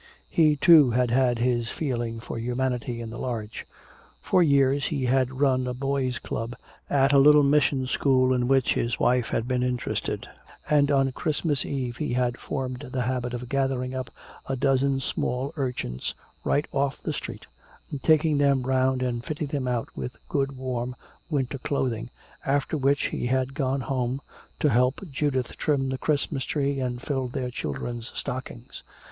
He, too, had had his feeling for humanity in the large. For years he had run a boys' club at a little mission school in which his wife had been interested, and on Christmas Eve he had formed the habit of gathering up a dozen small urchins right off the street and taking them 'round and fitting them out with good warm winter clothing, after which he had gone home to help Judith trim the Christmas tree and fill their children's stockings.